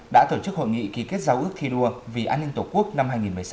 đã tổ chức hội nghị ký kết giao ước thi đua vì an ninh tổ quốc năm hai nghìn một mươi sáu